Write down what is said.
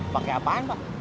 pakai apaan pak